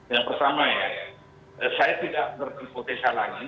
yang pertama ya saya tidak berpotensi lagi